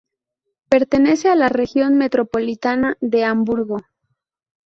Pertenece a la región Metropolitana de Hamburgo.